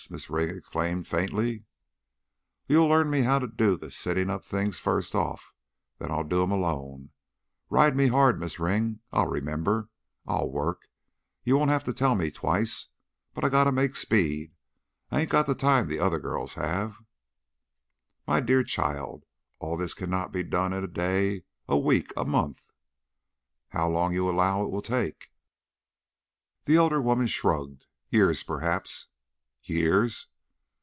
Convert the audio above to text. Mrs. Ring exclaimed, faintly. "You learn me how to do the sitting up things first off, then I'll do 'em alone. Ride me hard, Miz' Ring. I'll remember. I'll work; you won't have to tell me twice. But I gotta make speed. I 'ain't got the time other girls have." "My dear child, all this cannot be done in a day, a week, a month." "How long you allow it will take?" The elder woman shrugged. "Years, perhaps." "Years?"